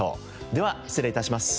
では失礼致します。